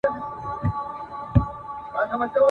نعمتونه وه پرېمانه هر څه ښه وه !.